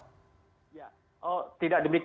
oh tidak demik